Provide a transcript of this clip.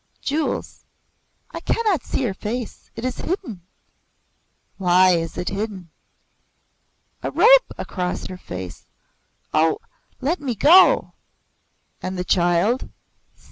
"Jewels. I cannot see her face. It is hidden." "Why is it hidden?" "A robe across her face. Oh, let me go!" "And the child?